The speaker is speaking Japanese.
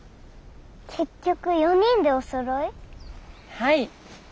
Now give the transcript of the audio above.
はい。